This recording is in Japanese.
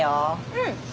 うん。